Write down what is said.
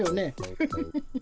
フフフフ。